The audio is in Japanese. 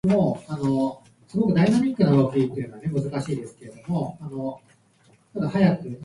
ごはんが好き